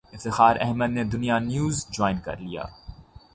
افتخار احمد نے Dunya News join کر لیا